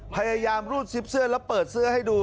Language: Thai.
พยายามรูดซิปเสื้อแล้วเปิดเสื้อให้ดู